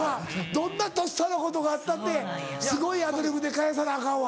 どんなとっさのことがあったってすごいアドリブで返さなアカンわ。